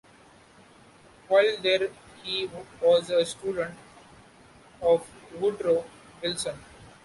While there he was a student of Woodrow Wilson.